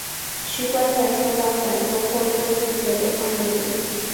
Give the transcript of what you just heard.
其观点受到反中共政府者的欢迎。